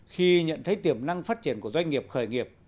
khi nhận thấy tiềm năng phát triển của doanh nghiệp khởi nghiệp